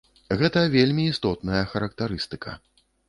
Гэта вельмі істотная характарыстыка.